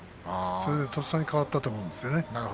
それでとっさに変わったと思うんですよね。